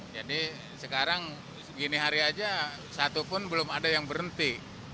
jadi sekarang segini hari saja satu pun belum ada yang berhenti